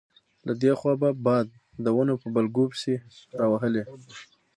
له دې خوا به باد د ونو په بلګو پسې راوهلې.